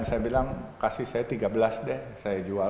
saya bilang kasih saya tiga belas deh saya jual